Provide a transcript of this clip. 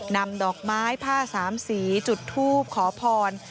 นำดอกไม้ผ้าสามสีจุดทูบขอพร